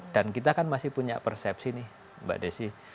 dan kita kan masih punya persepsi nih mbak desi